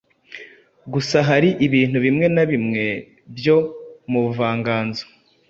Gusa hari ibintu bimwe na bimwe byo mu buvanganzo